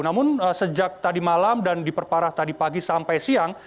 namun sejak tadi malam dan diperparah tadi pagi sampai siang